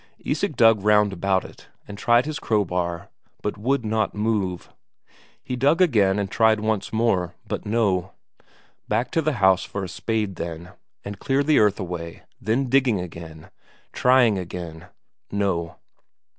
Isak dug round about it, and tried his crowbar, but it would not move. He dug again and tried once more, but no. Back to the house for a spade then, and clear the earth away, then digging again, trying again no.